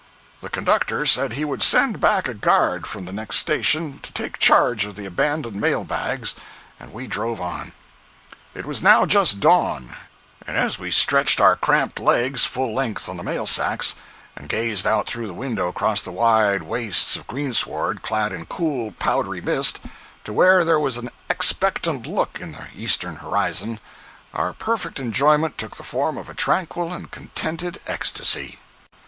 The conductor said he would send back a guard from the next station to take charge of the abandoned mail bags, and we drove on. It was now just dawn; and as we stretched our cramped legs full length on the mail sacks, and gazed out through the windows across the wide wastes of greensward clad in cool, powdery mist, to where there was an expectant look in the eastern horizon, our perfect enjoyment took the form of a tranquil and contented ecstasy.